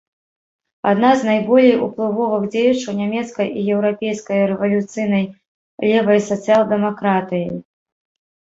Адна з найболей уплывовых дзеячаў нямецкай і еўрапейскай рэвалюцыйнай левай сацыял-дэмакратыі.